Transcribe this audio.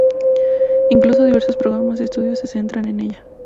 Incluso diversos programas de estudios se centran en ella.